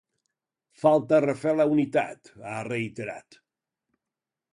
Falta refer la unitat, ha reiterat.